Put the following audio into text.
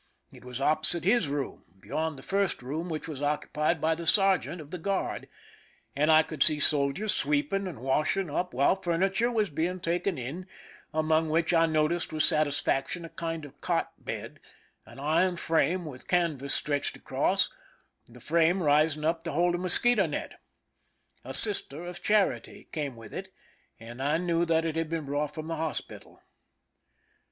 It was opposite his room, beyond the first room, which was occupied by the sergeant of the guard, and I could see sol diers sweeping and washing up, while furniture was being taken in, among which I noticed with satisfaction a kind of cot bed, an iron frame with canvas stretched across, the frame rising up to hold a mosquito net. A Sister of Charity came with it, and I knew that it had been brought from the hospital.